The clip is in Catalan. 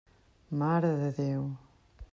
Mare de Déu!